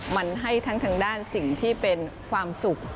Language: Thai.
มันให้ทางด้านสิ่งที่เป็นความสุข